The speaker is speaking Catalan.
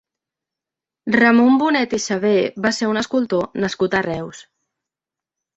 Ramon Bonet i Savé va ser un escultor nascut a Reus.